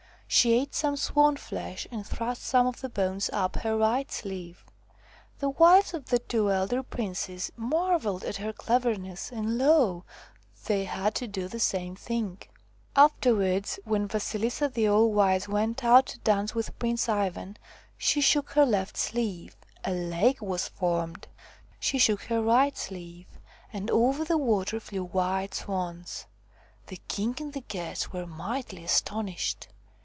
She ate some swan flesh and thrust some of the bones up her right sleeve. The wives of the two elder princes mar velled at her cleverness, and lo ! they had to do the same thing ! Afterwards when Vasilisa the All Wise went out to dance with Prince Ivan she shook her left sleeve a lake was formed ; she shook her right sleeve, and over the water flew white swans. The king and the guests were mightily astonished.